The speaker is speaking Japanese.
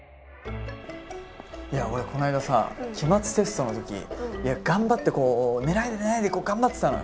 いや俺この間さ期末テストの時頑張ってこう寝ないで寝ないで頑張ってたのよ。